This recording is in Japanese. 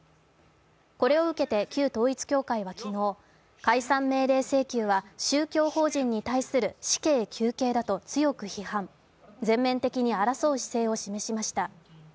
これを受けて旧統一教会は昨日解散命令請求は宗教法人に対する死刑求刑だと強く批判、全面的に争う姿勢を示しました。